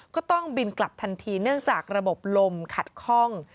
ก็ต้องบินกลับทันทีเนื่องจากระบบลมขัดคล่อง